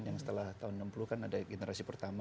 yang setelah tahun enam puluh kan ada generasi pertama